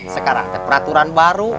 sekarang keperaturan baru